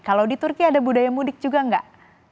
kalau di turki ada budaya mudik juga nggak